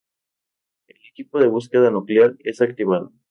El equipo de búsqueda nuclear es activado.